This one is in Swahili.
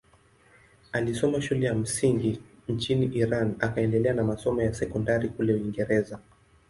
Alisoma shule ya msingi nchini Iran akaendelea na masomo ya sekondari kule Uingereza.